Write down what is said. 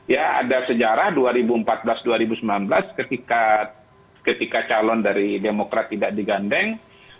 ya ada sejarah dua ribu empat belas dua ribu sembilan belas ketika calon dari demokrat tidak digandeng